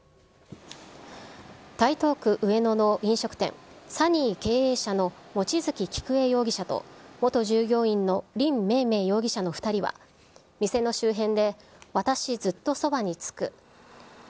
台東区上野の飲食店、ＳＵＮＮＹ経営者の望月菊恵容疑者と、元従業員の林妹妹容疑者の２人は、店の周辺で私、ずっとそばにつく。